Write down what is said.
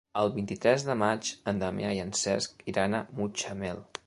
El vint-i-tres de maig en Damià i en Cesc iran a Mutxamel.